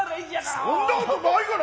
そんなことないがな！